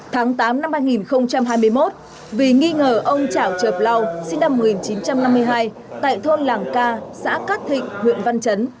tháng tám năm hai nghìn hai mươi một vì nghi ngờ ông trảo trợt lau sinh năm một nghìn chín trăm năm mươi hai tại thôn làng ca xã cát thịnh huyện văn chấn